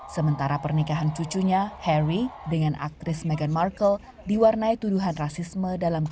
sementara pernikahan cucunya harry dengan aktris meghan markle diwarnai tuduhan rasisme dalam video